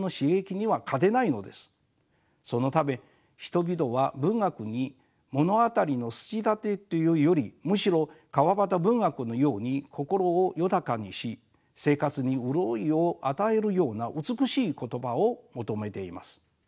そのため人々は文学に物語の筋立てというよりむしろ川端文学のように心を豊かにし生活に潤いを与えるような美しい言葉を求めています。